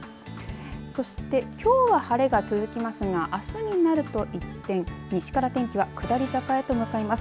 そして、きょうは晴れが続きますが、あすになると一転、西から天気が下り坂へと向かいます。